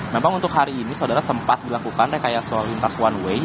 memang untuk hari ini saudara sempat dilakukan rekayasa lalu lintas one way